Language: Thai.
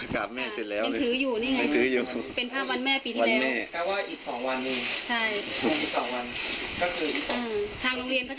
กลับแม่เสร็จแล้วดอกมะลิกลับแม่เสร็จแล้วเป็นถืออยู่นี่ไงเป็นภาพวันแม่ปีที่แล้ว